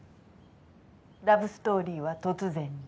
ラブストーリーは突然に。